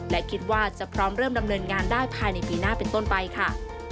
และคิดว่าจะพร้อมเริ่มดำเนินงานได้ภายในปีหน้าเป็นต้นไปค่ะ